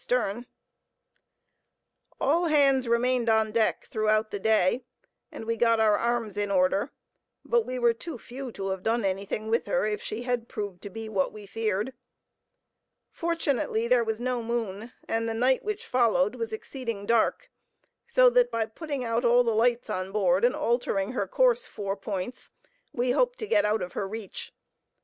[Illustration: "The Vessel Continued in Pursuit, Changing Her Course as We Changed Ours"] All hands remained on deck throughout the day, and we got our arms in order; but we were too few to have done anything with her, if she had proved to be what we feared. Fortunately there was no moon, and the night which followed was exceeding dark, so that by putting out all the lights on board and altering her course four points, we hoped to get out of her reach.